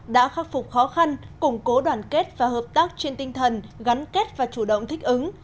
đã khắc phục khó khăn củng cố đoàn kết và hợp tác trên tinh thần gắn kết và chủ động thích ứng